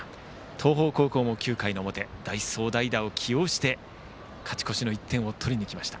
東邦高校も９回の表代走、代打を起用して勝ち越しの１点を取りに来ました。